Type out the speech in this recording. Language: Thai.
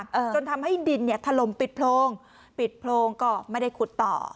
จนทำให้ดินเนี่ยถล่มปิดโพรงปิดโพรงก็ไม่ได้ขุดต่อ